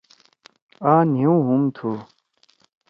آں نھیؤ ہُم تھو۔